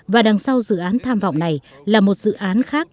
và đằng sau dự án tham vọng này là một dự án khác